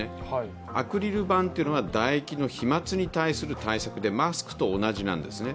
アクリル板というのは唾液の飛まつに対する対策でマスクと同じなんですね。